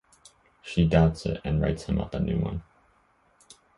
She doubts it and writes him up a new one.